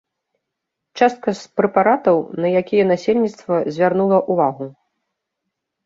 Частка з прэпаратаў, на якія насельніцтва звярнула ўвагу.